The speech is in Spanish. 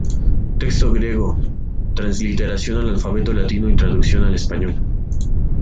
Texto griego, transliteración al alfabeto latino y traducción al español.